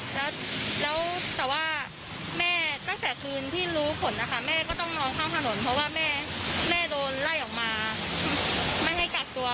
แล้วแต่ว่าแม่ตั้งแต่คืนที่รู้ผลนะคะแม่ก็ต้องนอนข้างถนนเพราะว่าแม่โดนไล่ออกมาไม่ให้กักตัว